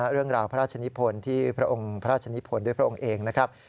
พระราชนิพลที่พระองค์พระราชนิพลด้วยพระองค์เองนะครับ